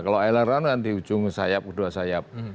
kalau aileron kan di ujung sayap kedua sayap